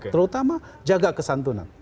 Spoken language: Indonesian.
terutama jaga kesantunan